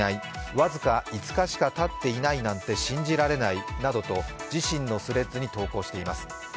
僅か５日しかたっていないなんて信じられないなどと自身のスレッドに投稿しています。